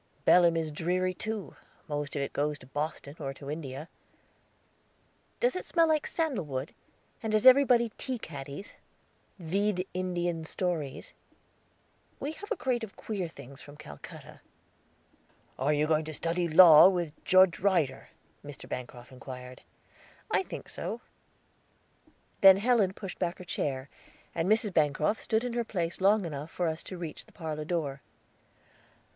"Belem is dreary too; most of it goes to Boston, or to India." "Does it smell of sandal wood? And has everybody tea caddies? Vide Indian stories." "We have a crate of queer things from Calcutta." "Are you going to study law with Judge Ryder?" Mr. Bancroft inquired. "I think so." Then Helen pushed back her chair; and Mrs. Bancroft stood in her place long enough for us to reach the parlor door.